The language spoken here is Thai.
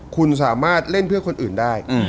คุณสามารถเล่นเพื่อคนอื่นได้